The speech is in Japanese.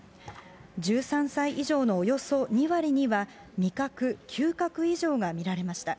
１３歳以上のおよそ２割には、味覚、きゅう覚異常が見られました。